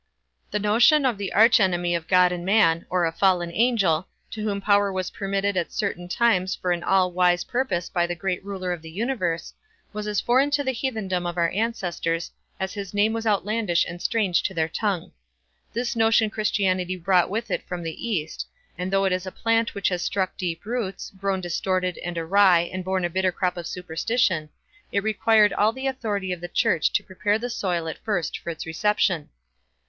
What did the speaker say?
The notion of the Arch enemy of God and man, of a fallen angel, to whom power was permitted at certain times for an all wise purpose by the Great Ruler of the universe, was as foreign to the heathendom of our ancestors as his name was outlandish and strange to their tongue. This notion Christianity brought with it from the East; and though it is a plant which has struck deep roots, grown distorted and awry, and borne a bitter crop of superstition, it required all the authority of the Church to prepare the soil at first for its reception.